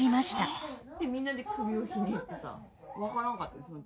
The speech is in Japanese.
みんなで首をひねってさわからんかった。